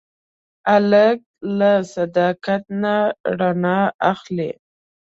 هلک له صداقت نه رڼا اخلي.